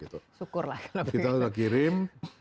tahap pertama sudah berhasil